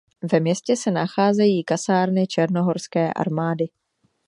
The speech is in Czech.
Ve městě se nacházejí kasárny Černohorské armády.